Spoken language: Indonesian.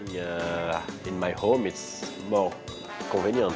di rumah saya lebih nyaman